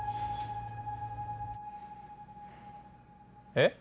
えっ？